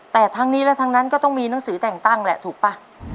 แต่ทั้งนี้และทั้งนั้นก็ต้องมีหนังสือแต่งตั้งแหละถูกป่ะ